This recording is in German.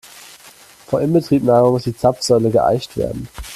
Vor Inbetriebnahme muss die Zapfsäule geeicht werden.